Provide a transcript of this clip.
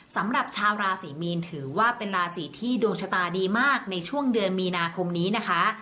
สำหรับชาวราศรีมีนถือว่าเป็นราศีที่ดวงชะตาดีมากในช่วงเดือนมีนาคมนี้นะคะ